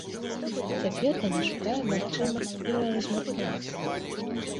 Цяпер яна шукае магчымасць пераразмеркавацца.